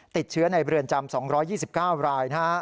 ติดเชื้อในเรือนจำ๒๒๙ราย